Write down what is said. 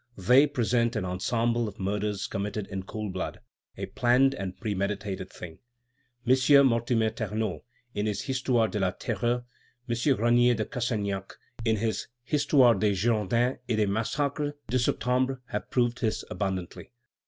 They present an ensemble of murders committed in cool blood, a planned and premeditated thing. M. Mortimer Ternaux, in his Histoire de la Terreur, M. Granier de Cassagnac, in his Histoire des Girondins et des Massacres de Septembre, have proved this abundantly.